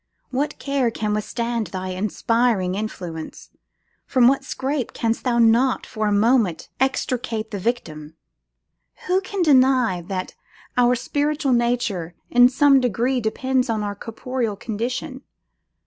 What care can withstand thy inspiring influence! from what scrape canst thou not, for the moment, extricate the victim! Who can deny that our spiritual nature in some degree depends upon our corporeal condition?